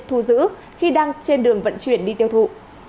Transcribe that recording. thu giữ khi đang trên đường vận chuyển đi tiêu thụ